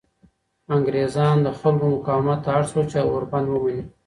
انګریزان د خلکو مقاومت ته اړ شول چې اوربند ومني.